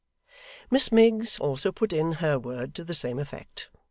Miss Miggs also put in her word to the same effect.